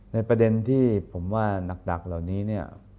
ในประเด็นที่ผมว่านักเหล่านี้เนี่ย